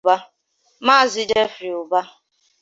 Maazị Jeffrey Ubah